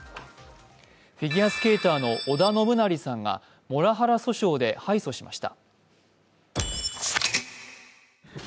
フィギュアスケーターの織田信成さんがモラハラ訴訟で敗訴しました。